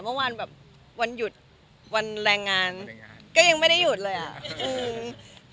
เมื่อวานแบบวันหยุดวันแรงงานก็ยังไม่ได้หยุดเลยอ่ะ